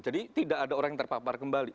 jadi tidak ada orang yang terpapar kembali